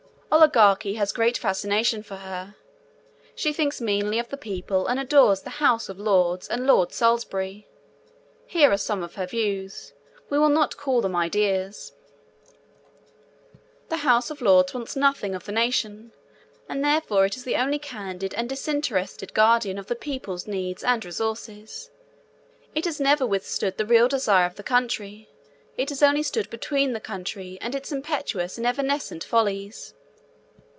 Oligarchy has great fascinations for her. She thinks meanly of the people and adores the House of Lords and Lord Salisbury. Here are some of her views. We will not call them ideas: The House of Lords wants nothing of the nation, and therefore it is the only candid and disinterested guardian of the people's needs and resources. It has never withstood the real desire of the country: it has only stood between the country and its impetuous and evanescent follies.